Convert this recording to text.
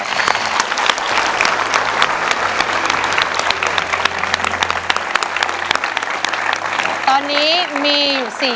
ทั้งในเรื่องของการทำงานเคยทำนานแล้วเกิดปัญหาน้อย